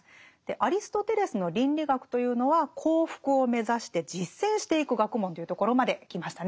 アリストテレスの倫理学というのは幸福を目指して実践していく学問というところまで来ましたね。